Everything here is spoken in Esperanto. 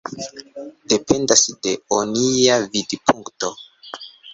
Dependas de onia vidpunkto.